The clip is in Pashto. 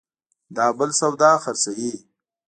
دا بل سودا خرڅوي